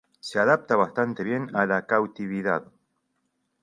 Se adapta bastante bien a la cautividad.